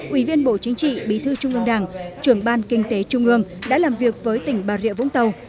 ủy viên bộ chính trị bí thư trung ương đảng trưởng ban kinh tế trung ương đã làm việc với tỉnh bà rịa vũng tàu